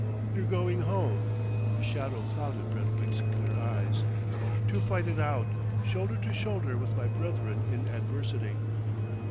"You're going home " A shadow clouded Brentwick's clear eyes. "To fight it out, shoulder to shoulder with my brethren in adversity."